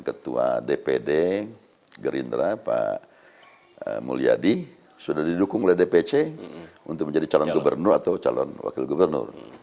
ketua dpd gerindra pak mulyadi sudah didukung oleh dpc untuk menjadi calon gubernur atau calon wakil gubernur